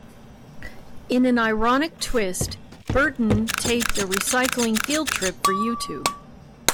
In an ironic twist, Burton taped a recycling field trip for YouTube.